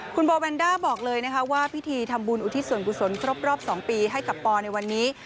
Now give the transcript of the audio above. คุณโบแวนด้าบอกเลยนะคะว่าพิธีทำบุญอุทิศส่วนกุศลครบรอบ๒ปีให้กับปอในวันนี้